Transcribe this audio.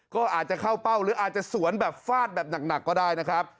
ก็อาจจะเข้าเป้าหรืออาจจะสวนแบบฟาดแบบหนักก็ได้นะครับ